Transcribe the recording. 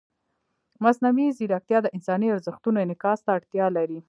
مصنوعي ځیرکتیا د انساني ارزښتونو انعکاس ته اړتیا لري.